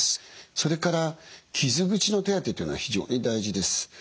それから傷口の手当てというのは非常に大事です。